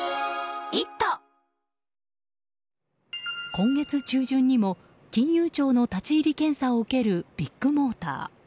今月中旬にも金融庁の立ち入り検査を受けるビッグモーター。